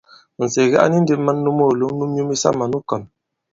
Nsège a ni ndī man nu moòlom nu myu misamà nu kɔ̀n.